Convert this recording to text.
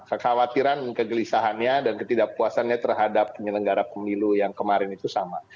kekhawatiran dan kegelisahannya dan ketidakpuasannya terhadap penyelenggara pemilu yang kemarin itu sama